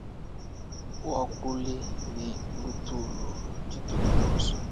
Wakule ne lutulu dituku dionso.